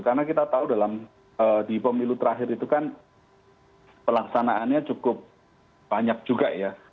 karena kita tahu di pemilu terakhir itu kan pelaksanaannya cukup banyak juga ya